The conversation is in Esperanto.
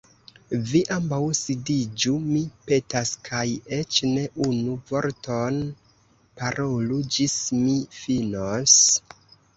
Vi ambaŭ sidiĝu, mi petas. Kaj eĉ ne unu vorton parolu, ĝis mi finos."